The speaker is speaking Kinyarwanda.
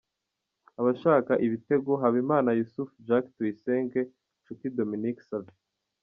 Abashaka ibitego: Habimana Yussuf, Jacques Tuyisenge, Nshuti Dominique Savio.